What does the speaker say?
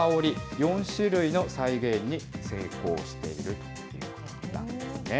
４種類の再現に成功しているということなんですね。